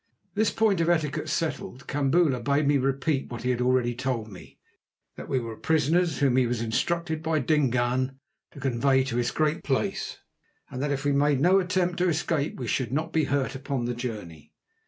This point of etiquette settled, Kambula bade me repeat what he had already told me, that we were prisoners whom he was instructed by Dingaan to convey to his Great Place, and that if we made no attempt to escape we should not be hurt upon the journey.